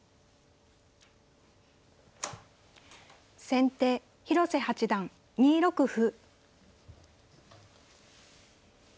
先手広瀬八段２六歩。